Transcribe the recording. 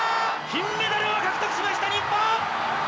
金メダルを獲得しました、日本。